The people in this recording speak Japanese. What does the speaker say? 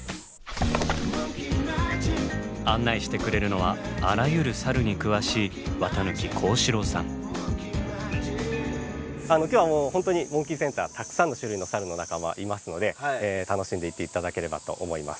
案内してくれるのはあらゆるサルに詳しい今日はもう本当にモンキーセンターたくさんの種類のサルの仲間いますので楽しんでいって頂ければと思います。